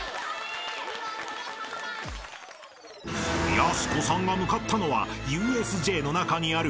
［やす子さんが向かったのはＵＳＪの中にある］